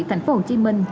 thành phố hồ chí minh